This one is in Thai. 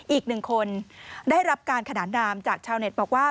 อีกหนึ่งคนได้รับการขนานนามจากชาวเน็ตบอกว่า